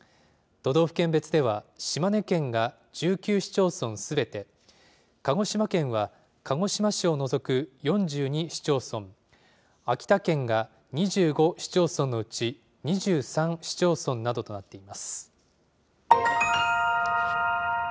都道府県別では、島根県が１９市町村すべて、鹿児島県は鹿児島市を除く４２市町村、秋田県が２５市町村のうち２３市町村などとなっています。